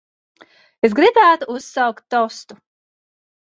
Es gribētu uzsaukt tostu.